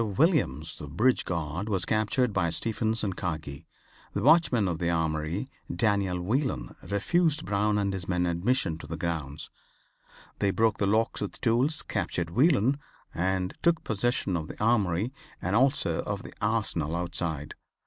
Williams the bridge guard was captured by Stephens and Kagi. The watchman at the Armory[7:1], Daniel Whelan, refused Brown and his men admission to the grounds. They broke the locks with tools, captured Whelan, and took possession of the Armory and also of the Arsenal outside.